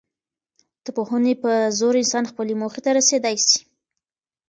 د پوهني په زور انسان خپلي موخې ته رسېدی سي.